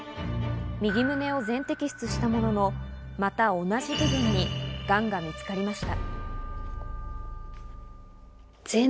右胸を全摘出したものの、また同じ部分にがんが見つかりました。